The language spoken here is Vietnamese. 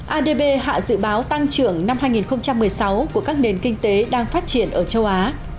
adb hạ dự báo tăng trưởng năm hai nghìn một mươi sáu của các nền kinh tế đang phát triển ở châu á